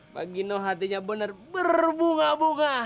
pak gino hatinya bener berbunga bunga